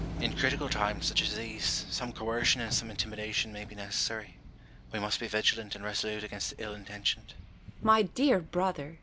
In critical times, such as these, some coercion and some intimidation may be necessary. We must be vigilant and resolute against the ill intentioned. Boulter. My dear brother